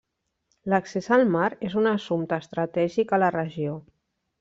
L'accés al mar és un assumpte estratègic a la regió.